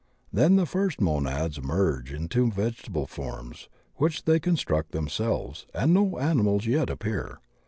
Then the first Monads emerge into vegetable forms which they construct themselves, and no animals yet appear.